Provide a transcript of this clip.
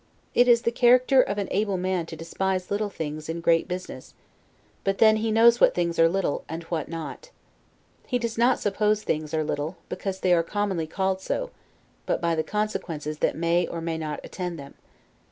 It is the character of an able man to despise little things in great business: but then he knows what things are little, and what not. He does not suppose things are little, because they are commonly called so: but by the consequences that may or may not attend them.